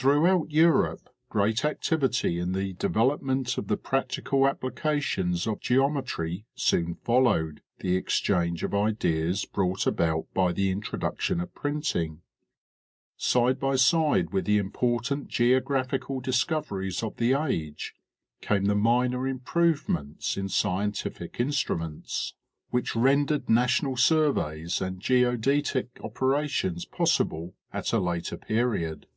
Throughout Europe great activity in the development of the practical applications of geometry soon followed the exchange of ideas brought about by the introduction of printing. Side by side with the important geographical discoveries of the age came the minor improvements in scientific instruments : VOL. II. 17 246 National Geographic Magazine. which rendered national surveys and geodetic operations possible at a later period.